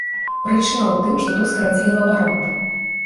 Прычына ў тым, што тут скарацілі лабаранта.